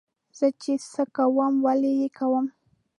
زه چې څه کوم ولې یې کوم.